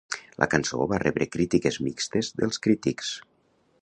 La cançó va rebre crítiques mixtes dels crítics.